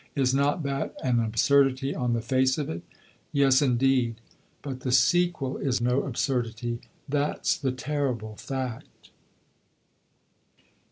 Is not that an absurdity on the face of it? Yes, indeed; but the sequel is no absurdity. That's the terrible fact.